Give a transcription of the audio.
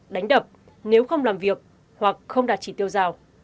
đánh đập nếu không làm việc hoặc không đạt chỉ tiêu rào